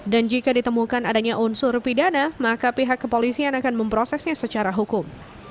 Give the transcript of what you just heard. dan jika ditemukan adanya unsur pidana maka pihak kepolisian akan memprosesnya secara hukum